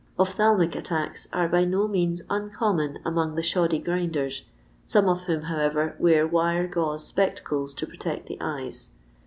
Ophthalmic attacks are by no means uncommon among the shoddy grinders, some of whom, however, wear wire gauze spectacles to protect the eyes.